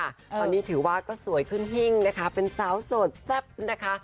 ตอนนี้ถือว่าก็สวยขึ้นหิ้งนะคะเป็นสาวโสดแซ่บนะคะ